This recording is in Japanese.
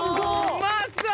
うまそう！